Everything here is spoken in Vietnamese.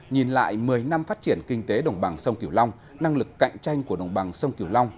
nhìn lại một mươi năm phát triển kinh tế đồng bằng sông kiểu long năng lực cạnh tranh của đồng bằng sông kiều long